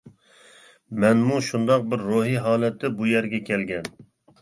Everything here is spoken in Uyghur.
مەنمۇ شۇنداق بىر روھى ھالەتتە بۇ يەرگە كەلگەن.